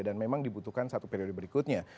dan memang dibutuhkan satu periode berikutnya